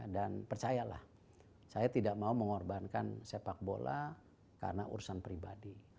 dan percayalah saya tidak mau mengorbankan sepak bola karena urusan pribadi